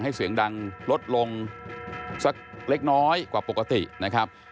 เสียงดังลดลงสักเล็กน้อยกว่าปกตินะครับ